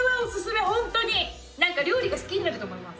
なんか料理が好きになると思います。